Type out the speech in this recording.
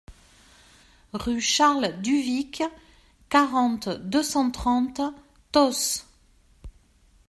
Rue Charles Duvicq, quarante, deux cent trente Tosse